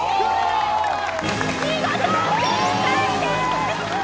見事正解です。